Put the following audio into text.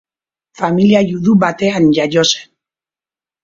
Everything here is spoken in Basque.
Familia judu batean jaio zen.